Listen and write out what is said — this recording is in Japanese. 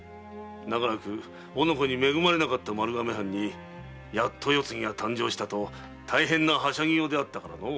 長らく男子に恵まれなかった丸亀藩にやっと世継ぎが誕生したと大変なはしゃぎようであったからのう。